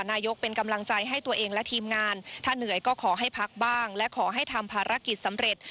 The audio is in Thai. นายกเป็นกำลังใจให้ตัวเองและทีมงานถ้าเหนื่อยก็ขอให้พักบ้างและขอให้ทำภารกิจสำเร็จ